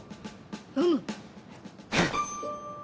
うむ！